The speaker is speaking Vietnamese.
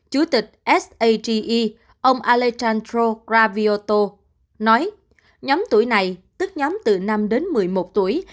chủ tịch sage ông alejandro gravioto nói nhóm tuổi này tức nhóm từ năm đến một mươi một tuổi